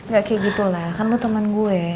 gak kayak gitu lah kan lo teman gue